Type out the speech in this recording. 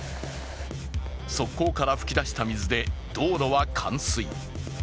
側溝から噴き出した水で道路は冠水。